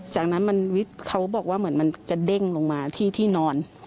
จากนั้นเขาบอกว่ามันจะเด้งลงมาที่นอน